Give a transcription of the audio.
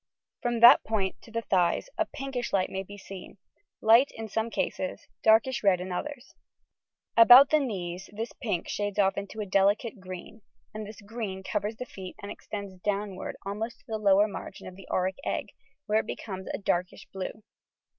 From that point to the thighs a pinkish light may be seen, — light in some cases, darkish red in others. About the knees this pink shades off into a delicate green, and this green covers the feet and extends downward almost to the lower margin of the auric egg, where it becomes a darkish blue.